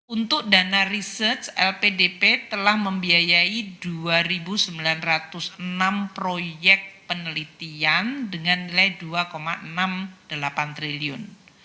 untuk dana research lpdp telah membiayai dua sembilan ratus enam proyek penelitian dengan nilai dua enam puluh delapan triliun